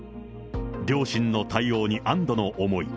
両親の対応に安どの思い。